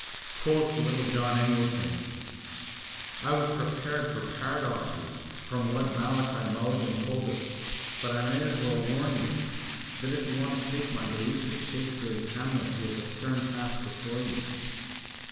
Quoth littlejohn Eglinton: —I was prepared for paradoxes from what Malachi Mulligan told us but I may as well warn you that if you want to shake my belief that Shakespeare is Hamlet you have a stern task before you.